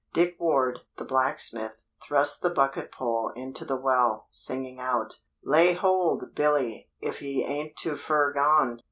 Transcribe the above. Dick Ward, the blacksmith, thrust the bucket pole into the well, singing out, "Lay hold, Billy, if ye ain't too fur gone!"